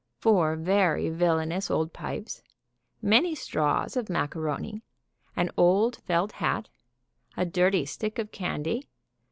Four very villainous old pipes. Many straws of macaroni. An old felt hat. A dirty stick of candy.